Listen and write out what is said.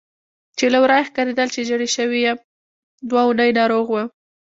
چې له ورایه ښکارېدل چې ژېړی شوی یم، دوه اونۍ ناروغ وم.